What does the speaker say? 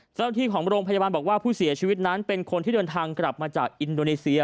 เจ้าหน้าที่ของโรงพยาบาลบอกว่าผู้เสียชีวิตนั้นเป็นคนที่เดินทางกลับมาจากอินโดนีเซีย